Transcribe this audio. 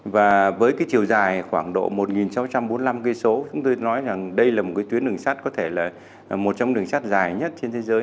và với cái chiều dài khoảng độ một sáu trăm bốn mươi năm km chúng tôi nói rằng đây là một cái tuyến đường sắt có thể là một trong đường sắt dài nhất trên thế giới